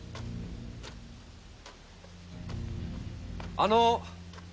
あの。